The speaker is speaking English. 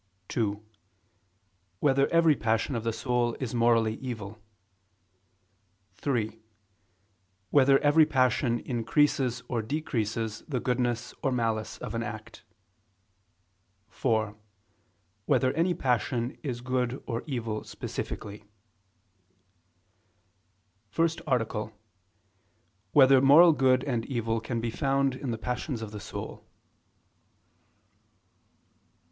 (2) Whether every passion of the soul is morally evil? (3) Whether every passion increases or decreases the goodness or malice of an act? (4) Whether any passion is good or evil specifically? ________________________ FIRST ARTICLE [I II, Q. 24, Art. 1] Whether Moral Good and Evil Can Be Found in the Passions of the Soul?